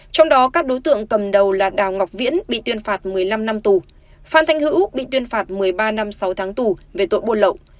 trong đó các đối tượng cầm đầu là đào ngọc viễn bị tuyên phạt một mươi năm năm tù phan thanh hữu bị tuyên phạt một mươi ba năm sáu tháng tù về tội buôn lậu